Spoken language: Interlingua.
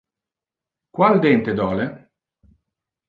Qual dente dole?